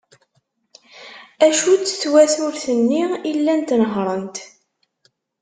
Acu-tt twaturt-nni i llant nehhrent?